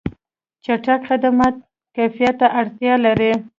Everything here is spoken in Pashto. چټک خدمات کیفیت ته اړتیا لري.